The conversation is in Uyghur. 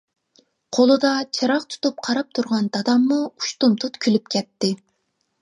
قولىدا چىراغ تۇتۇپ قاراپ تۇرغان داداممۇ ئۇشتۇمتۇت كۈلۈپ كەتتى.